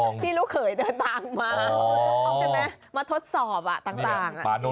นี่ลูกเขยเดินทางมา